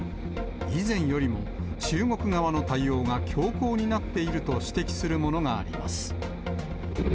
以前よりも中国側の対応が強硬になっていると指摘するものがあります。